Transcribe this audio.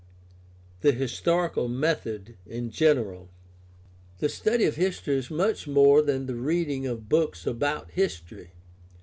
THE HISTORICAL METHOD IN GENERAL The study of history is much more than the reading of books about history.